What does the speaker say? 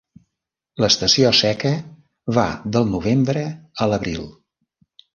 L'estació seca va del novembre a l'abril.